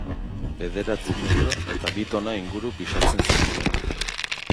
Bederatzi metro eta bi tona inguru pisatzen zituen.